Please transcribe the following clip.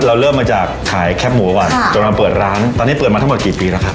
เริ่มมาจากขายแคบหมูก่อนจนมาเปิดร้านตอนนี้เปิดมาทั้งหมดกี่ปีแล้วครับ